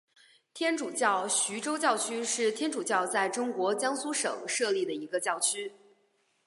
天主教徐州教区是天主教在中国江苏省设立的一个教区。